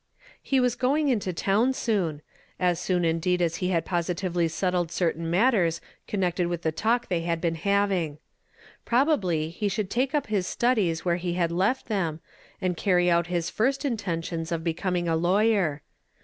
He was g(M"iig into town soon, as soon indeed as ho liad positively settled certain mattera connected with the talk they had just been having. Proba l^^y lie should take up his studies where he had left them, and carry out his first intentions of becom ing a lawyer.